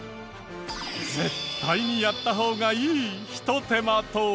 絶対にやった方がいいひと手間とは？